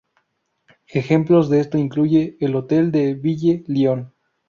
Ejemplos de esto incluyen el Hôtel de Ville, Lyon.